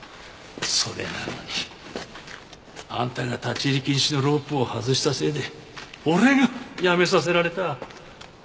それなのにあんたが立ち入り禁止のロープを外したせいで俺が辞めさせられた。